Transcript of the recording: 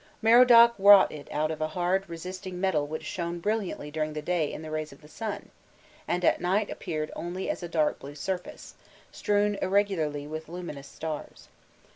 Merodach wrought it out of a hard resisting metal which shone brilliantly during the day in the rays of the sun, and at night appeared only as a dark blue surface, strewn irregularly with luminous stars.